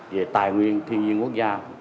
về tài nguyên thiên nhiên quốc gia